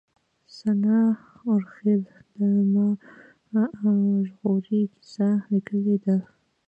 سناء اوریاخيل د ما وژغورئ کيسه ليکلې ده